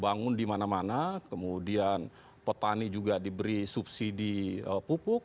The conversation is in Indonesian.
bangun dimana mana kemudian petani juga diberi subsidi pupuk